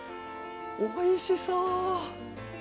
おいしそう！